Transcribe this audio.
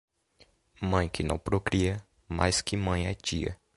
Mãe que não procria, mais que mãe é tia.